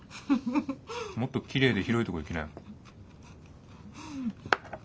もっときれいで広いとこ行きなよ。